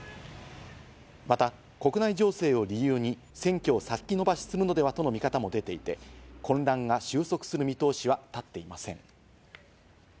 また、国内情勢を理由に、選挙を先延ばしするのではとの見方も出ていて、混乱が収束する見通しは立っていません。